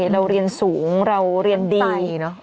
เราเรียนสูงเราเรียนดี